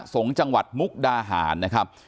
สงฆ์จังหวัดมุกดาหารนะครับ